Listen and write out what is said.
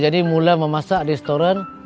jadi mulai memasak restoran